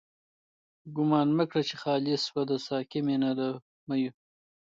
گومان مکړه چی خالی شوه، د ساقی مینا له میو